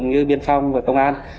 như biên phòng và công an